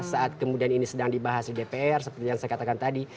saat kemudian ini sedang dibahas di dpr seperti yang saya katakan tadi